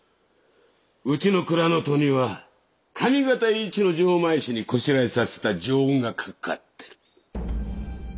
うちの蔵の戸には上方一の錠前師にこしらえさせた錠が掛かってる。